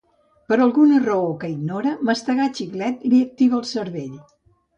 Per alguna raó que ignora mastegar xiclet li activa cervell.